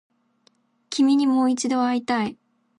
君にもう一度会いたい